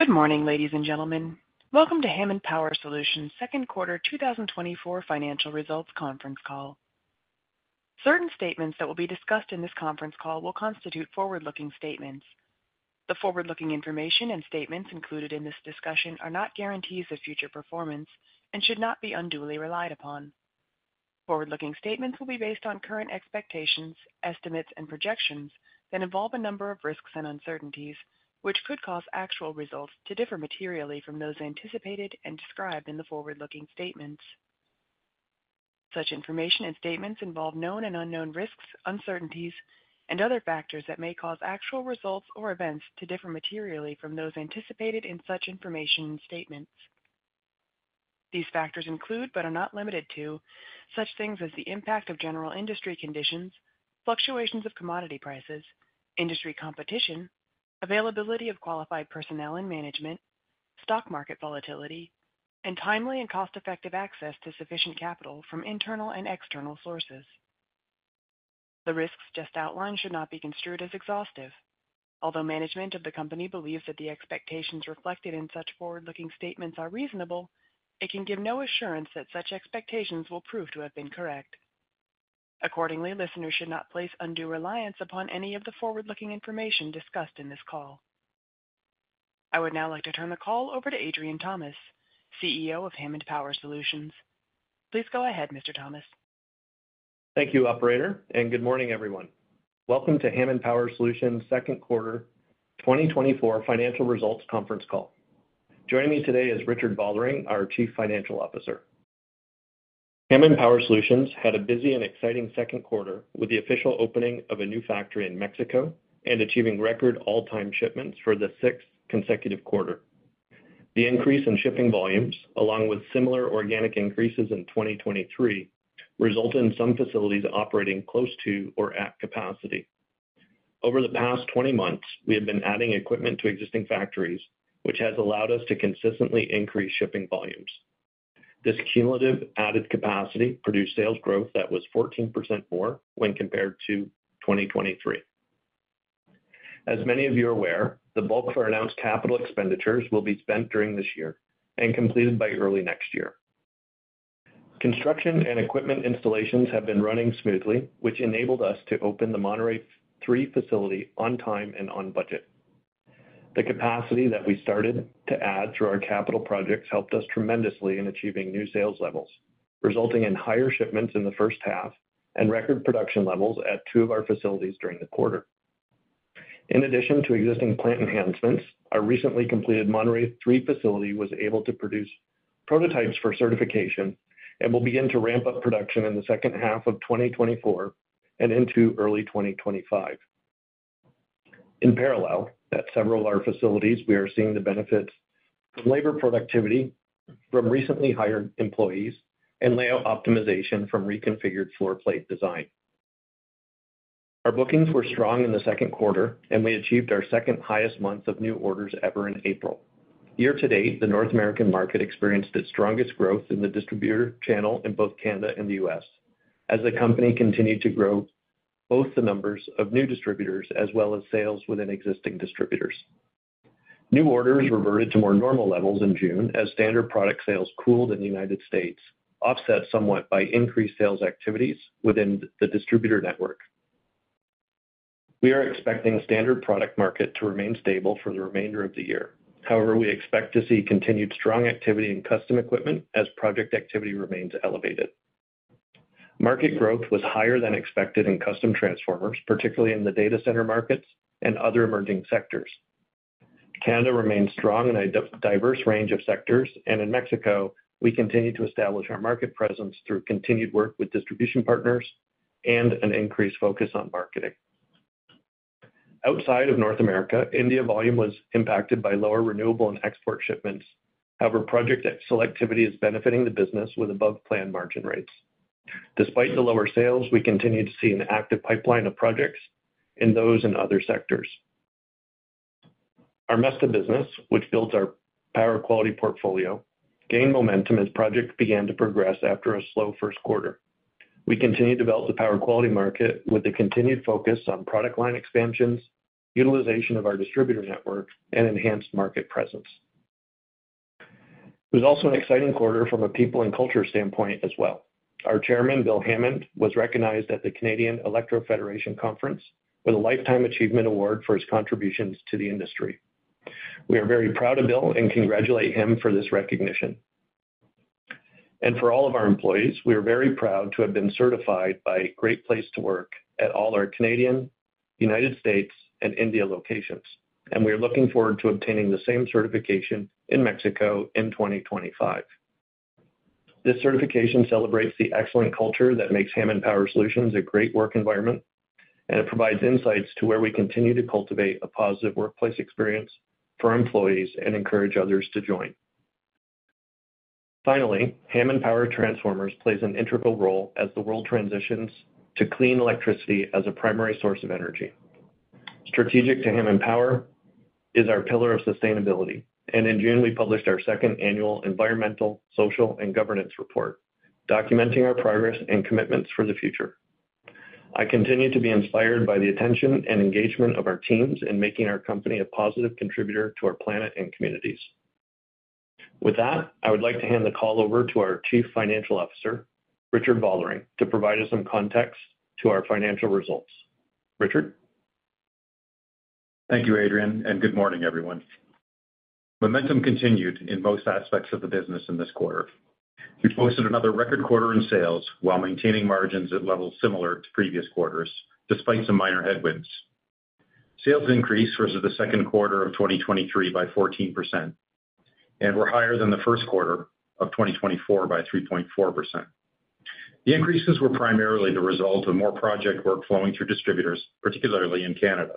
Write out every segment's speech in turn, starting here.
Good morning, ladies and gentlemen. Welcome to Hammond Power Solutions' Second Quarter 2024 Financial Results Conference Call. Certain statements that will be discussed in this conference call will constitute forward-looking statements. The forward-looking information and statements included in this discussion are not guarantees of future performance and should not be unduly relied upon. Forward-looking statements will be based on current expectations, estimates, and projections that involve a number of risks and uncertainties, which could cause actual results to differ materially from those anticipated and described in the forward-looking statements. Such information and statements involve known and unknown risks, uncertainties, and other factors that may cause actual results or events to differ materially from those anticipated in such information and statements. These factors include, but are not limited to, such things as the impact of general industry conditions, fluctuations of commodity prices, industry competition, availability of qualified personnel and management, stock market volatility, and timely and cost-effective access to sufficient capital from internal and external sources. The risks just outlined should not be construed as exhaustive. Although management of the company believes that the expectations reflected in such forward-looking statements are reasonable, it can give no assurance that such expectations will prove to have been correct. Accordingly, listeners should not place undue reliance upon any of the forward-looking information discussed in this call. I would now like to turn the call over to Adrian Thomas, CEO of Hammond Power Solutions. Please go ahead, Mr. Thomas. Thank you, operator, and good morning, everyone. Welcome to Hammond Power Solutions' second quarter 2024 financial results conference call. Joining me today is Richard Vollering, our Chief Financial Officer. Hammond Power Solutions had a busy and exciting second quarter with the official opening of a new factory in Mexico and achieving record all-time shipments for the sixth consecutive quarter. The increase in shipping volumes, along with similar organic increases in 2023, resulted in some facilities operating close to or at capacity. Over the past 20 months, we have been adding equipment to existing factories, which has allowed us to consistently increase shipping volumes. This cumulative added capacity produced sales growth that was 14% more when compared to 2023. As many of you are aware, the bulk of our announced capital expenditures will be spent during this year and completed by early next year. Construction and equipment installations have been running smoothly, which enabled us to open the Monterrey 3 facility on time and on budget. The capacity that we started to add through our capital projects helped us tremendously in achieving new sales levels, resulting in higher shipments in the first half and record production levels at 2 of our facilities during the quarter. In addition to existing plant enhancements, our recently completed Monterrey 3 facility was able to produce prototypes for certification and will begin to ramp up production in the second half of 2024 and into early 2025. In parallel, at several of our facilities, we are seeing the benefits from labor productivity from recently hired employees and layout optimization from reconfigured floorplate design. Our bookings were strong in the second quarter, and we achieved our second highest month of new orders ever in April. Year to date, the North American market experienced its strongest growth in the distributor channel in both Canada and the U.S., as the company continued to grow both the numbers of new distributors as well as sales within existing distributors. New orders reverted to more normal levels in June as standard product sales cooled in the United States, offset somewhat by increased sales activities within the distributor network. We are expecting the standard product market to remain stable for the remainder of the year. However, we expect to see continued strong activity in custom equipment as project activity remains elevated. Market growth was higher than expected in custom transformers, particularly in the data center markets and other emerging sectors. Canada remains strong in a diverse range of sectors, and in Mexico, we continue to establish our market presence through continued work with distribution partners and an increased focus on marketing. Outside of North America, India volume was impacted by lower renewable and export shipments. However, project selectivity is benefiting the business with above-plan margin rates. Despite the lower sales, we continue to see an active pipeline of projects in those and other sectors. Our Mesta business, which builds our power quality portfolio, gained momentum as projects began to progress after a slow first quarter. We continue to develop the power quality market with a continued focus on product line expansions, utilization of our distributor network, and enhanced market presence. It was also an exciting quarter from a people and culture standpoint as well. Our chairman, Bill Hammond, was recognized at the Electro-Federation Canada Conference with a Lifetime Achievement Award for his contributions to the industry. We are very proud of Bill and congratulate him for this recognition. For all of our employees, we are very proud to have been certified by Great Place to Work at all our Canadian, United States, and India locations, and we are looking forward to obtaining the same certification in Mexico in 2025. This certification celebrates the excellent culture that makes Hammond Power Solutions a great work environment, and it provides insights to where we continue to cultivate a positive workplace experience for our employees and encourage others to join. Finally, Hammond Power Solutions plays an integral role as the world transitions to clean electricity as a primary source of energy. Strategic to Hammond Power is our pillar of sustainability, and in June, we published our second annual environmental, social, and governance report, documenting our progress and commitments for the future.... I continue to be inspired by the attention and engagement of our teams in making our company a positive contributor to our planet and communities. With that, I would like to hand the call over to our Chief Financial Officer, Richard Vollering, to provide us some context to our financial results. Richard? Thank you, Adrian, and good morning, everyone. Momentum continued in most aspects of the business in this quarter. We posted another record quarter in sales while maintaining margins at levels similar to previous quarters, despite some minor headwinds. Sales increased versus the second quarter of 2023 by 14% and were higher than the first quarter of 2024 by 3.4%. The increases were primarily the result of more project work flowing through distributors, particularly in Canada,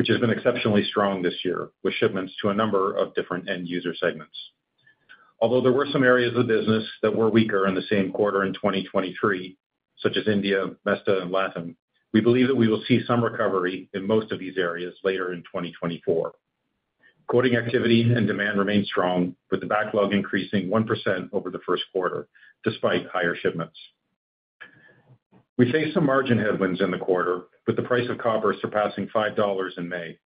which has been exceptionally strong this year, with shipments to a number of different end user segments. Although there were some areas of the business that were weaker in the same quarter in 2023, such as India, Mesta, and LATAM, we believe that we will see some recovery in most of these areas later in 2024. Quoting activity and demand remain strong, with the backlog increasing 1% over the first quarter, despite higher shipments. We faced some margin headwinds in the quarter, with the price of copper surpassing $5 in May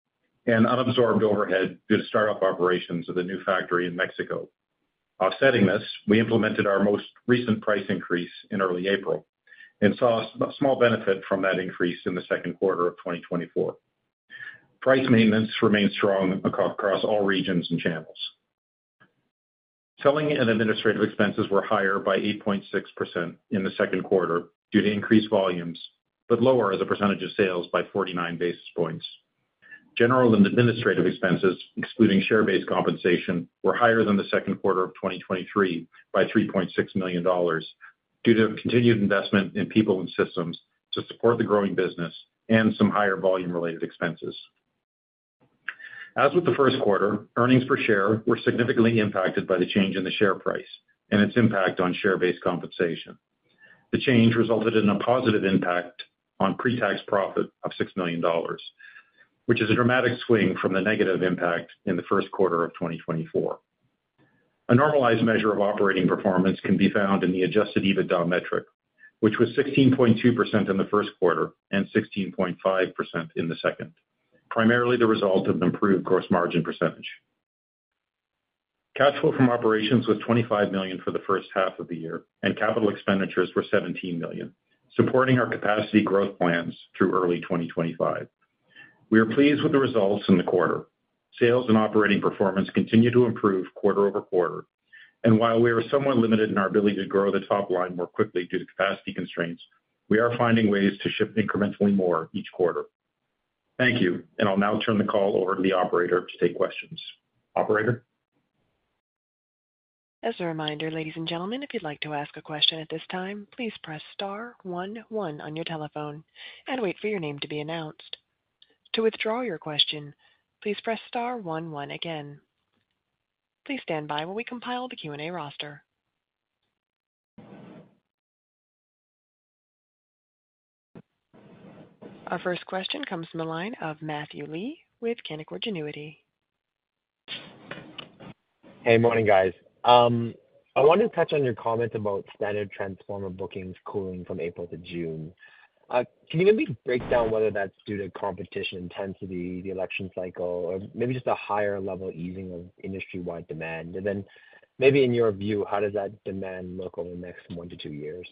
and unabsorbed overhead due to start-up operations of the new factory in Mexico. Offsetting this, we implemented our most recent price increase in early April and saw a small benefit from that increase in the second quarter of 2024. Price maintenance remains strong across all regions and channels. Selling and administrative expenses were higher by 8.6% in the second quarter due to increased volumes, but lower as a percentage of sales by 49 basis points. General and administrative expenses, excluding share-based compensation, were higher than the second quarter of 2023 by 3.6 million dollars, due to continued investment in people and systems to support the growing business and some higher volume-related expenses. As with the first quarter, earnings per share were significantly impacted by the change in the share price and its impact on share-based compensation. The change resulted in a positive impact on pre-tax profit of 6 million dollars, which is a dramatic swing from the negative impact in the first quarter of 2024. A normalized measure of operating performance can be found in the adjusted EBITDA metric, which was 16.2% in the first quarter and 16.5% in the second, primarily the result of improved gross margin percentage. Cash flow from operations was 25 million for the first half of the year, and capital expenditures were 17 million, supporting our capacity growth plans through early 2025. We are pleased with the results in the quarter. Sales and operating performance continue to improve quarter-over-quarter, and while we are somewhat limited in our ability to grow the top line more quickly due to capacity constraints, we are finding ways to ship incrementally more each quarter. Thank you, and I'll now turn the call over to the operator to take questions. Operator? As a reminder, ladies and gentlemen, if you'd like to ask a question at this time, please press star one one on your telephone and wait for your name to be announced. To withdraw your question, please press star one one again. Please stand by while we compile the Q&A roster. Our first question comes from the line of Matthew Lee with Canaccord Genuity. Hey, morning, guys. I wanted to touch on your comment about standard transformer bookings cooling from April to June. Can you maybe break down whether that's due to competition intensity, the election cycle, or maybe just a higher level easing of industry-wide demand? And then maybe in your view, how does that demand look over the next 1-2 years?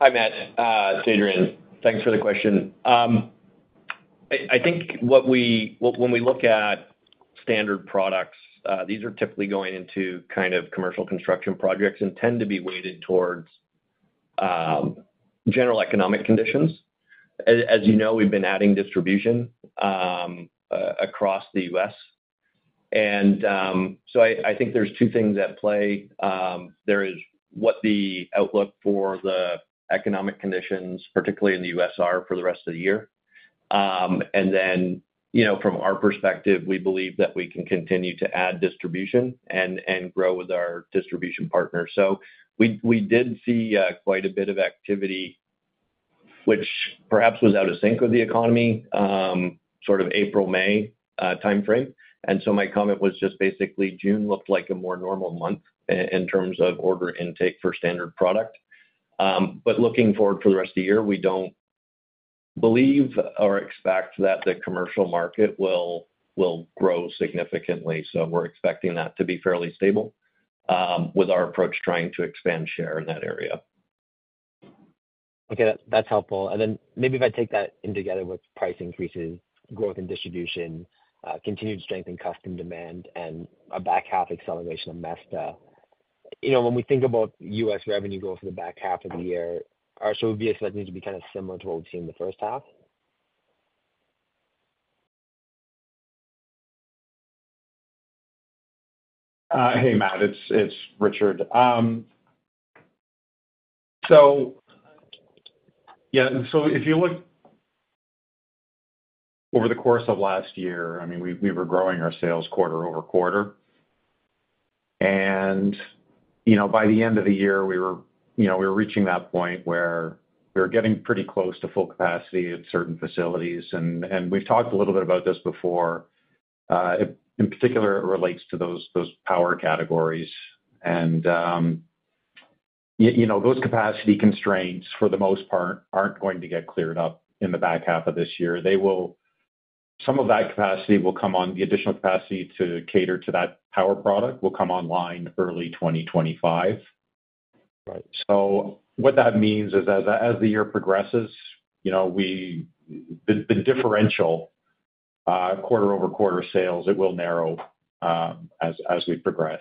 Hi, Matt. It's Adrian. Thanks for the question. I think when we look at standard products, these are typically going into kind of commercial construction projects and tend to be weighted towards general economic conditions. As you know, we've been adding distribution across the U.S. So I think there's two things at play. There is what the outlook for the economic conditions, particularly in the U.S., are for the rest of the year. And then, you know, from our perspective, we believe that we can continue to add distribution and grow with our distribution partners. So we did see quite a bit of activity, which perhaps was out of sync with the economy, sort of April, May time frame. And so my comment was just basically June looked like a more normal month in terms of order intake for standard product. But looking forward for the rest of the year, we don't believe or expect that the commercial market will grow significantly. So we're expecting that to be fairly stable, with our approach trying to expand share in that area. Okay, that's, that's helpful. And then maybe if I take that in together with price increases, growth in distribution, continued strength in custom demand, and a back half acceleration of Mesta. You know, when we think about US revenue growth for the back half of the year, are, so we expecting it to be kind of similar to what we've seen in the first half? Hey, Matt, it's Richard. So yeah, so if you look over the course of last year, I mean, we were growing our sales quarter-over-quarter. And, you know, by the end of the year, we were, you know, reaching that point where we were getting pretty close to full capacity at certain facilities. And we've talked a little bit about this before. In particular, it relates to those power categories. And, you know, those capacity constraints, for the most part, aren't going to get cleared up in the back half of this year. They will. Some of that capacity will come on, the additional capacity to cater to that power product will come online early 2025. Right. So what that means is as the year progresses, you know, the differential quarter-over-quarter sales, it will narrow as we progress.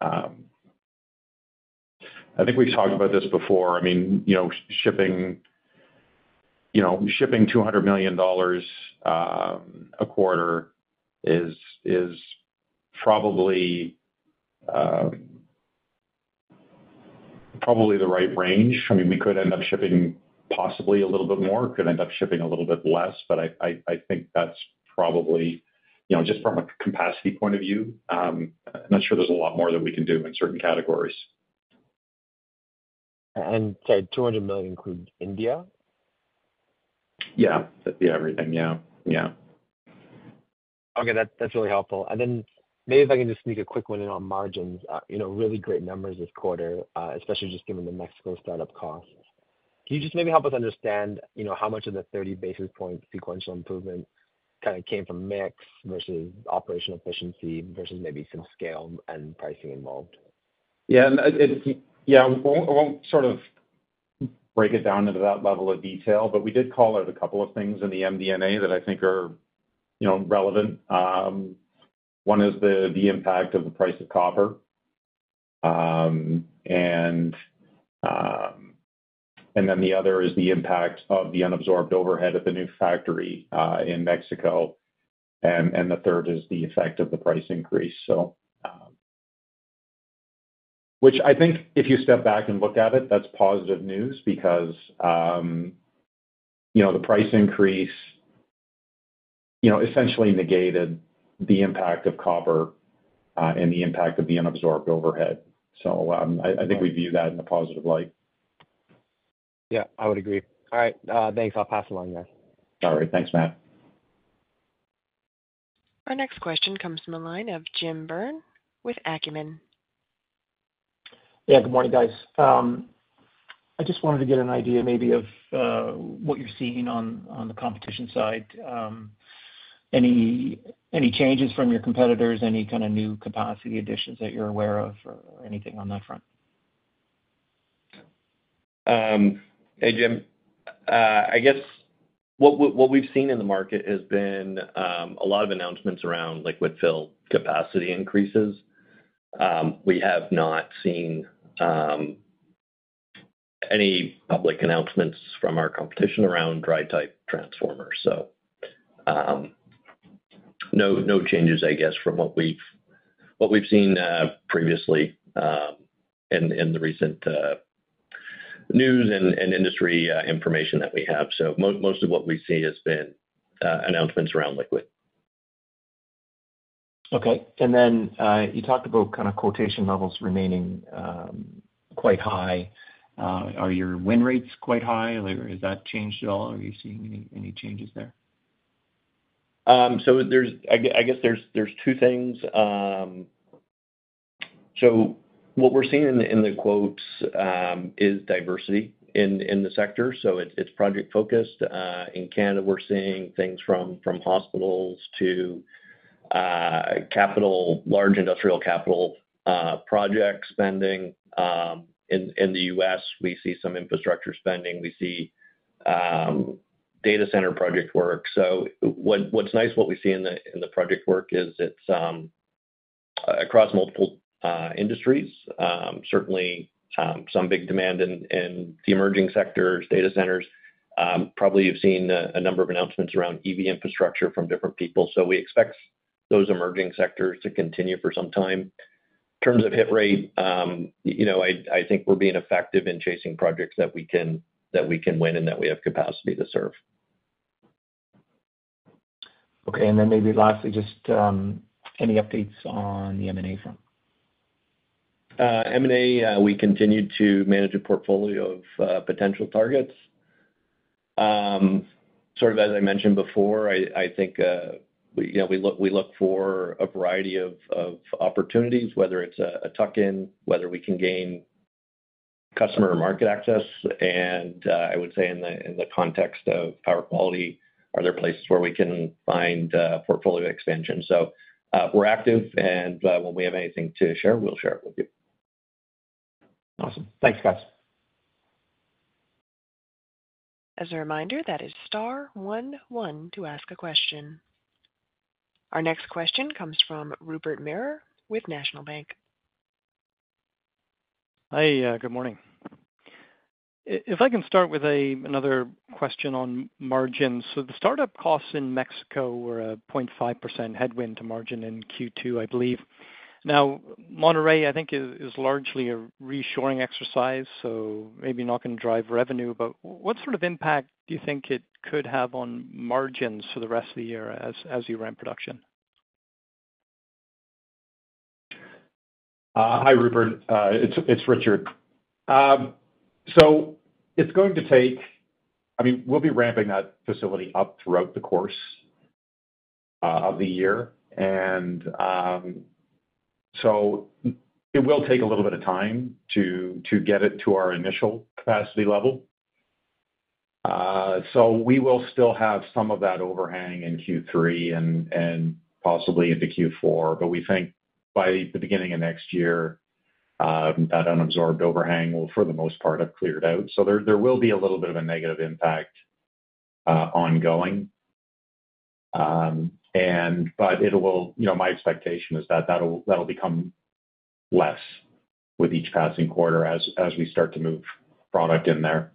I think we've talked about this before. I mean, you know, shipping, you know, shipping 200 million dollars a quarter is probably the right range. I mean, we could end up shipping possibly a little bit more, could end up shipping a little bit less, but I think that's probably, you know, just from a capacity point of view, I'm not sure there's a lot more that we can do in certain categories. Sorry, CAD 200 million includes India? Yeah. Yeah, everything, yeah, yeah. Okay, that's really helpful. And then maybe if I can just sneak a quick one in on margins. You know, really great numbers this quarter, especially just given the Mexico startup costs. Can you just maybe help us understand, you know, how much of the 30 basis point sequential improvement kind of came from mix versus operational efficiency versus maybe some scale and pricing involved? Yeah, and it, yeah, I won't, I won't sort of break it down into that level of detail, but we did call out a couple of things in the MD&A that I think are, you know, relevant. One is the impact of the price of copper. And then the other is the impact of the unabsorbed overhead of the new factory in Mexico. And the third is the effect of the price increase. So, which I think if you step back and looked at it, that's positive news because, you know, the price increase, you know, essentially negated the impact of copper, and the impact of the unabsorbed overhead. So, I think we view that in a positive light. Yeah, I would agree. All right, thanks. I'll pass along, guys. All right. Thanks, Matt. Our next question comes from the line of Jim Byrne with Acumen. Yeah, good morning, guys. I just wanted to get an idea maybe of what you're seeing on the competition side. Any changes from your competitors, any kind of new capacity additions that you're aware of, or anything on that front? Hey, Jim. I guess what we've seen in the market has been a lot of announcements around liquid-filled capacity increases. We have not seen any public announcements from our competition around dry-type transformers. So, no changes, I guess, from what we've seen previously, in the recent news and industry information that we have. So most of what we see has been announcements around liquid. Okay. And then, you talked about kind of quotation levels remaining quite high. Are your win rates quite high, or has that changed at all? Are you seeing any changes there? So there's, I guess there's two things. So what we're seeing in the quotes is diversity in the sector, so it's project-focused. In Canada, we're seeing things from hospitals to large industrial capital project spending. In the US, we see some infrastructure spending. We see data center project work. So what's nice, what we see in the project work is it's across multiple industries. Certainly some big demand in the emerging sectors, data centers. Probably, you've seen a number of announcements around EV infrastructure from different people. So we expect those emerging sectors to continue for some time. In terms of hit rate, you know, I think we're being effective in chasing projects that we can, that we can win and that we have capacity to serve. Okay. And then maybe lastly, just, any updates on the M&A front? M&A, we continue to manage a portfolio of potential targets. Sort of as I mentioned before, I think we, you know, we look for a variety of opportunities, whether it's a tuck-in, whether we can gain customer or market access, and I would say in the context of power quality, are there places where we can find portfolio expansion? So, we're active, and when we have anything to share, we'll share it with you. Awesome. Thanks, guys. As a reminder, that is star one one to ask a question. Our next question comes from Rupert Merer with National Bank Financial. Hi, good morning. If I can start with another question on margins. So the startup costs in Mexico were a 0.5% headwind to margin in Q2, I believe. Now, Monterrey, I think is largely a reshoring exercise, so maybe not going to drive revenue, but what sort of impact do you think it could have on margins for the rest of the year as you ramp production? Hi, Rupert. It's Richard. So it's going to take—I mean, we'll be ramping that facility up throughout the course of the year, and so it will take a little bit of time to get it to our initial capacity level. So we will still have some of that overhang in Q3 and possibly into Q4, but we think by the beginning of next year, that unabsorbed overhang will, for the most part, have cleared out. So there will be a little bit of a negative impact, ongoing. And but it will... You know, my expectation is that that'll become less with each passing quarter as we start to move product in there.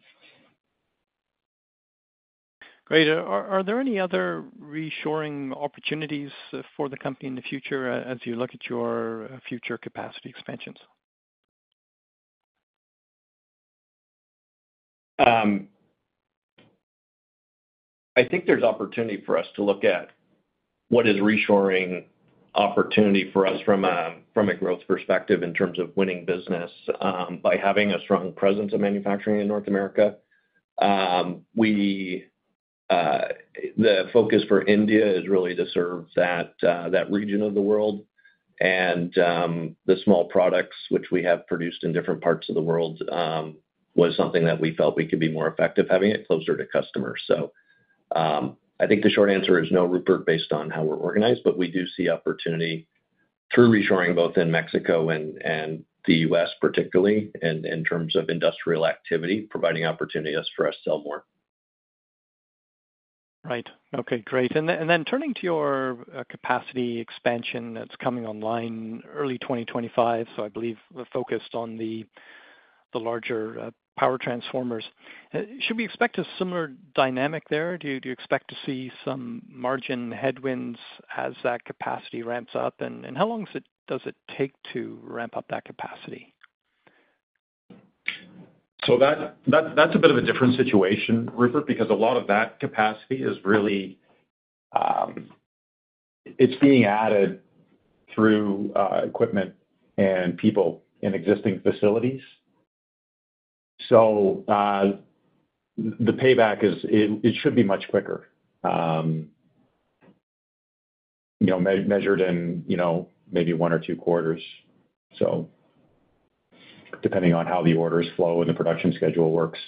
Great. Are there any other reshoring opportunities for the company in the future, as you look at your future capacity expansions? I think there's opportunity for us to look at what is reshoring opportunity for us from a, from a growth perspective in terms of winning business, by having a strong presence of manufacturing in North America. We, the focus for India is really to serve that, that region of the world. And, the small products which we have produced in different parts of the world, was something that we felt we could be more effective having it closer to customers. So, I think the short answer is no, Rupert, based on how we're organized, but we do see opportunity through reshoring, both in Mexico and, and the U.S., particularly, in, in terms of industrial activity, providing opportunities for us to sell more. Right. Okay, great. And then turning to your capacity expansion that's coming online early 2025, so I believe focused on the larger power transformers. Should we expect a similar dynamic there? Do you expect to see some margin headwinds as that capacity ramps up? And how long does it take to ramp up that capacity? So that's a bit of a different situation, Rupert, because a lot of that capacity is really it's being added through equipment and people in existing facilities. So the payback is it should be much quicker. You know, measured in, you know, maybe one or two quarters. So depending on how the orders flow and the production schedule works.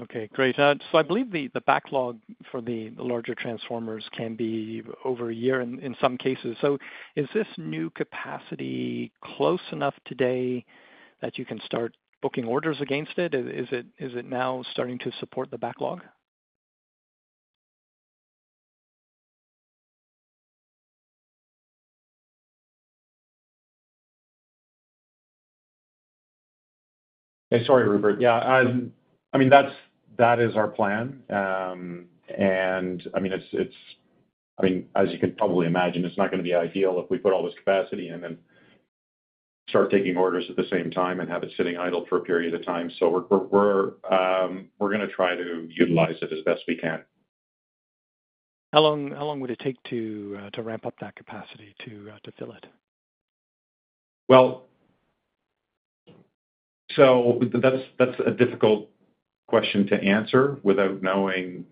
Okay, great. So I believe the backlog for the larger transformers can be over a year in some cases. So is this new capacity close enough today that you can start booking orders against it? Is it now starting to support the backlog? Sorry, Rupert. Yeah, I mean, that's. That is our plan. And I mean, it's, I mean, as you can probably imagine, it's not gonna be ideal if we put all this capacity in and start taking orders at the same time and have it sitting idle for a period of time. So we're gonna try to utilize it as best we can. How long, how long would it take to ramp up that capacity to fill it? Well, so that's, that's a difficult question to answer without knowing,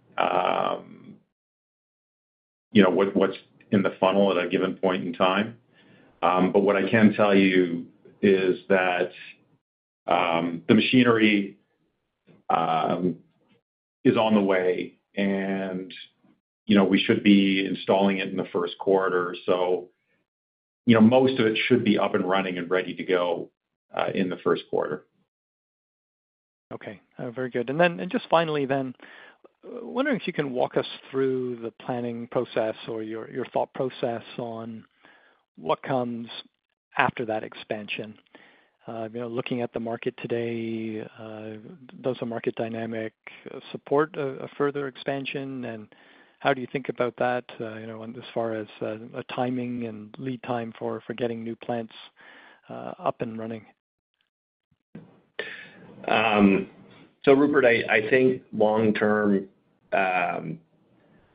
you know, what, what's in the funnel at a given point in time. But what I can tell you is that, the machinery, is on the way, and, you know, we should be installing it in the first quarter. So, you know, most of it should be up and running and ready to go, in the first quarter. Okay, very good. And then, and just finally then, wondering if you can walk us through the planning process or your, your thought process on what comes after that expansion. You know, looking at the market today, does the market dynamic support a, a further expansion? And how do you think about that, you know, as far as a timing and lead time for, for getting new plants up and running? So Rupert, I think long term,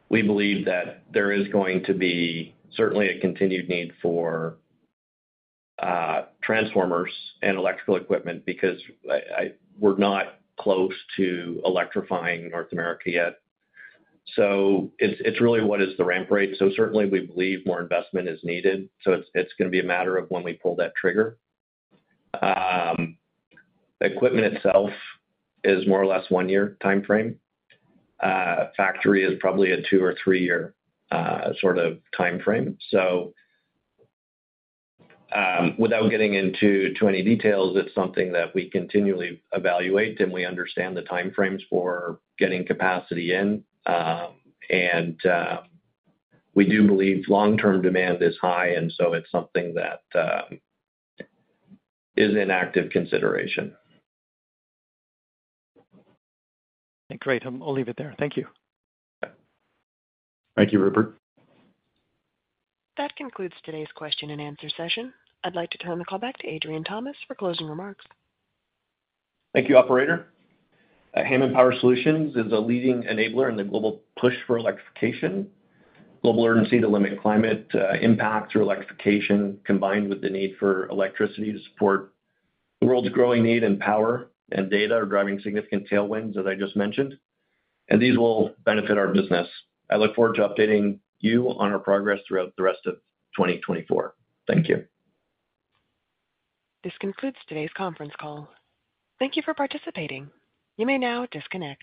we believe that there is going to be certainly a continued need for transformers and electrical equipment, because we're not close to electrifying North America yet. So it's really what is the ramp rate? So certainly we believe more investment is needed, so it's gonna be a matter of when we pull that trigger. Equipment itself is more or less one-year timeframe. Factory is probably a two- or three-year sort of timeframe. So without getting into too many details, it's something that we continually evaluate, and we understand the time frames for getting capacity in. And we do believe long-term demand is high, and so it's something that is in active consideration. Great. I'll leave it there. Thank you. Thank you, Rupert. That concludes today's question and answer session. I'd like to turn the call back to Adrian Thomas for closing remarks. Thank you, operator. Hammond Power Solutions is a leading enabler in the global push for electrification. Global urgency to limit climate impact through electrification, combined with the need for electricity to support the world's growing need in power and data, are driving significant tailwinds, as I just mentioned, and these will benefit our business. I look forward to updating you on our progress throughout the rest of 2024. Thank you. This concludes today's conference call. Thank you for participating. You may now disconnect.